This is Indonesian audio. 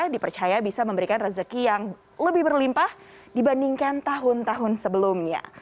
dipercaya bisa memberikan rezeki yang lebih berlimpah dibandingkan tahun tahun sebelumnya